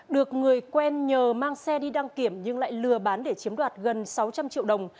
được người quen nhờ mang xe đi đăng kiểm nhưng lại lừa bán để chiếm đoạt gần sáu trăm linh triệu đồng